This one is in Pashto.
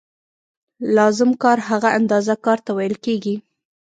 لازم کار هغه اندازه کار ته ویل کېږي